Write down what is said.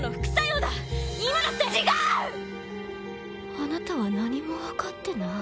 あなたは何も分かってない。